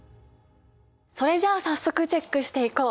それじゃあ早速チェックしていこう。